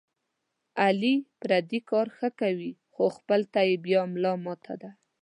علي پردي کارونه ښه کوي، خو خپل ته یې بیا ملا ماته ده.